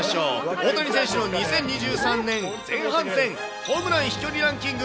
大谷選手の２０２３年前半戦、ホームラン飛距離ランキング